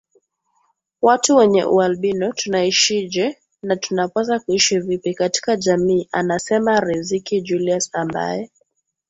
watu wenye ualbino tunaishije na tunapaswa kuishi vipi katika jamii anasema Riziki Julius ambaye